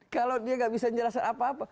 kalau dia nggak bisa njelasin apa apa